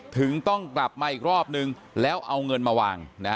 ถึงต้องกลับมาอีกรอบนึงแล้วเอาเงินมาวาง